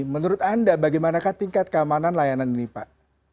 menurut anda bagaimanakah tingkat keamanan layanan ini pak